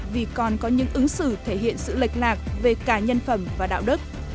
vì còn có những ứng xử thể hiện sự lệch lạc về cả nhân phẩm và đạo đức